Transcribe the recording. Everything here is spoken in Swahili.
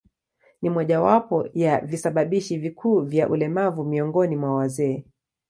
Ni mojawapo ya visababishi vikuu vya ulemavu miongoni mwa wazee.